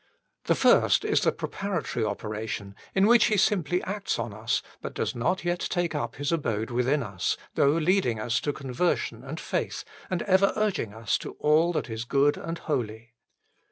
The first is the preparatory operation in which He simply acts on us but does not yet take up His abode within HOW IT IS TO BE TAUGHT 11 us, though leading us to conversion and faith and ever urging us to all that is good and holy.